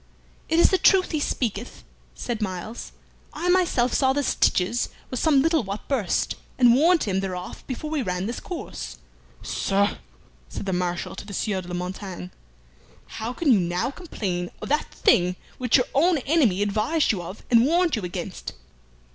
"It is the truth he speaketh," said Myles. "I myself saw the stitches were some little what burst, and warned him thereof before we ran this course. "Sir," said the Marshal to the Sieur de la Montaigne, "how can you now complain of that thing which your own enemy advised you of and warned you against?